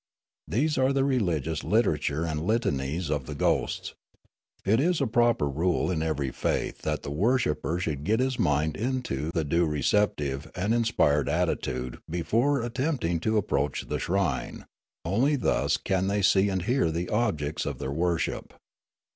These are the religious literature and litanies of the ghosts. It is a proper rule in every faith that the worshipper should get his mind into the due receptive and inspired attitude before attempting to approach the shrine ; only thus can thej' see and hear the objects of their worship.